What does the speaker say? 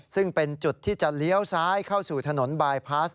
ซึ่งเป็นจุดที่จะเลี้ยวซ้ายเข้าสู่ถนนบายพลาส